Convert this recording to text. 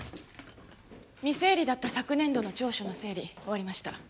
未整理だった昨年度の調書の整理終わりました。